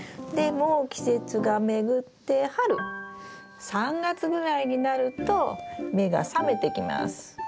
でも季節が巡って春３月ぐらいになると目が覚めてきます。